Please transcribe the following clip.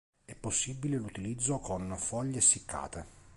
E possibile l'utilizzo con foglie essiccate.